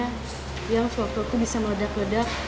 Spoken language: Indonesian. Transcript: kadang suatu waktu itu bisa meledak ledak